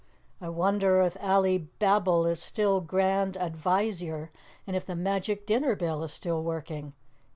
I wonder if Alibabble is still Grand Advizier and if the magic dinner bell is still working.